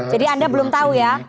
jadi anda belum tahu ya